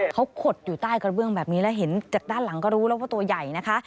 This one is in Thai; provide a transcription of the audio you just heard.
เขาขดอยู่ใต้กระเบื้องแบบนี้แล้วเห็นจากด้านหลังก็รู้แล้วว่าตัวใหญ่นะคะ